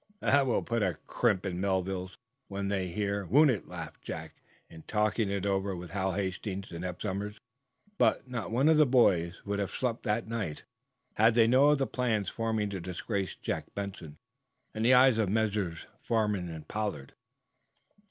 "That will put a crimp in the Melvilles, when they hear, won't it?" laughed Jack, in talking it over with Hal Hastings and Eph Somers. Not one of the boys would have slept that night, had they known of the plans forming to disgrace Jack Benson even in the eyes of Messrs. Farnum and Pollard.